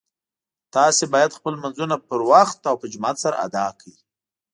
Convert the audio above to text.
تاسو باید خپل لمونځونه په وخت او په جماعت سره ادا کړئ